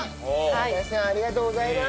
佐田さんありがとうございます！